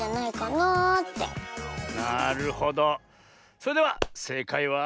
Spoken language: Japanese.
それではせいかいは。